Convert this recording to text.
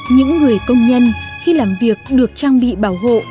những người công nhân khi làm việc được trang bị bảo hộ